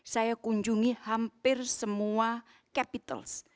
saya kunjungi hampir semua capital